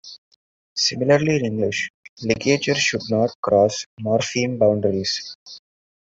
Similarly in English, ligatures should not cross morpheme boundaries.